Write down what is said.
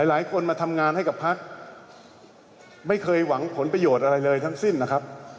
หลายคนมาทำงานให้กับพักไม่เคยหวังผลประโยชน์อะไรเลยทั้งสิ้นนะครับ